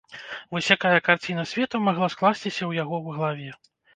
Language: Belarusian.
Вось якая карціна свету магла скласціся ў яго ў галаве?